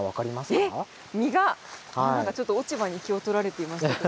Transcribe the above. なんかちょっと落ち葉に気をとられていましたけど。